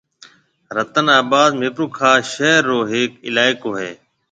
رتن آباد ميرپورخاص شھر رو ھيَََڪ علائقو ھيََََ